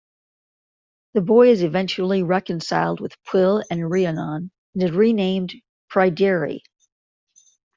The boy is eventually reconciled with Pwyll and Rhiannon and is renamed "Pryderi".